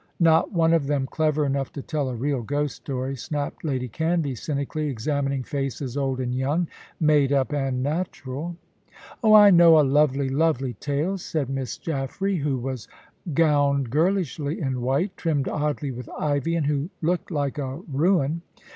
"Not one of them clever enough to tell a real ghost story," snapped Lady Canvey, cynically examining faces old and young, made up and natural. "Oh, I know a lovely, lovely tale," said Miss Jaffray, who was gowned girlishly in white, trimmed oddly with ivy, and who looked like a ruin.